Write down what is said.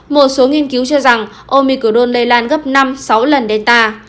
một số nghiên cứu cho rằng omicol lây lan gấp năm sáu lần delta